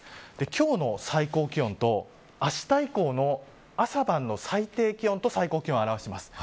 今日の最高気温とあした以降の朝晩の最低気温と最高気温を表しています。